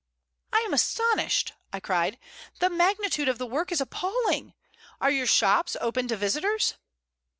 "I am astonished!" I cried. "The magnitude of the work is appalling. Are your shops open to visitors?"